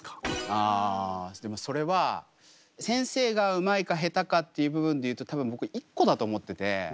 あでもそれは先生がうまいかへたかっていう部分でいうと多分僕一個だと思ってて。